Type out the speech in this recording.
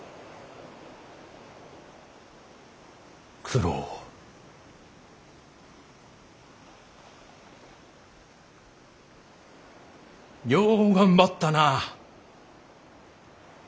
九郎よう頑張ったなあ。